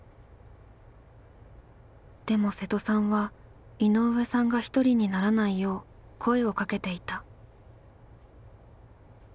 でも瀬戸さんは井上さんが一人にならないよう声をかけていた。